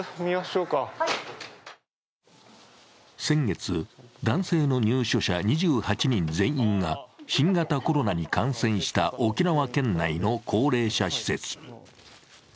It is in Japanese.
先月、男性の入所者２８人全員が新型コロナに感染した沖縄県内の高齢者施設。